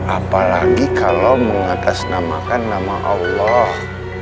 apalagi kalau mengatasnamakan nama allah